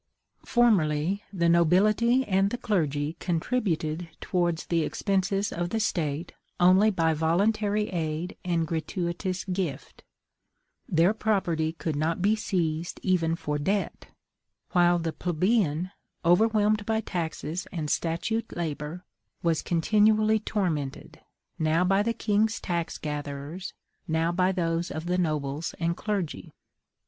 Formerly, the nobility and the clergy contributed towards the expenses of the State only by voluntary aid and gratuitous gift; their property could not be seized even for debt, while the plebeian, overwhelmed by taxes and statute labor, was continually tormented, now by the king's tax gatherers, now by those of the nobles and clergy.